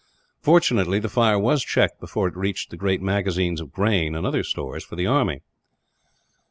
Fortunately the fire was checked before it reached the great magazines of grain, and other stores, for the army.